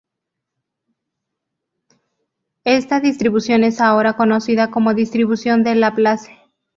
Esta distribución es ahora conocida como distribución de Laplace.